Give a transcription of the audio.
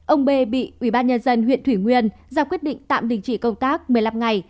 ông b bị ubnd huyện thủy nguyên ra quyết định tạm đình chỉ công tác một mươi năm ngày